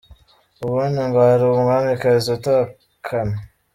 Ubundi ngo hari umwamikazi utukana ?